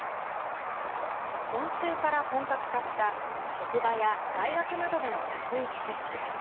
今週から本格化した、職場や大学などでの職域接種。